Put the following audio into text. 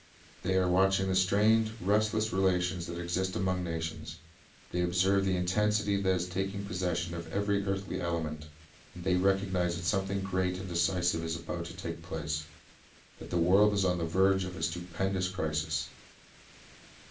They are watching the strained, a ewsfc restless relations that exist among the nations. They observe the intensity that is taking possession of every earthly element, and they recognize that something great and decisive is about to take place, — that the world is on the verge of a stupendous crisis.